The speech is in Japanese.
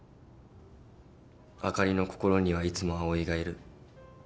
あかりの心にはいつも葵がいる。